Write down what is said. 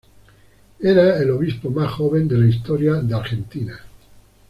Era el obispo más joven de la historia de Argentina.